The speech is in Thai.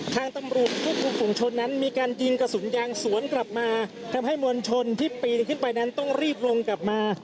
ทางตำรวจควบคุมฝุงชนนั้นมีการยิงกระสุนยางสวนกลับมาทำให้มวลชนที่ปีนขึ้นไปนั้นต้องรีบลงกลับมา